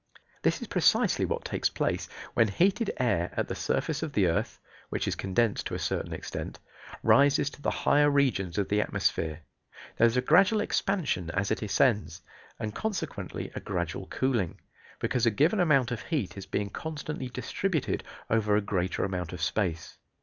This is precisely what takes place when heated air at the surface of the earth (which is condensed to a certain extent) rises to the higher regions of the atmosphere. There is a gradual expansion as it ascends, and consequently a gradual cooling, because a given amount of heat is being constantly distributed over a greater amount of space.